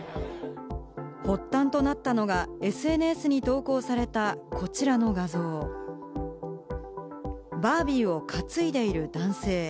発端となったのがＳＮＳに投稿されたこちらの画像、バービーを担いでいる男性。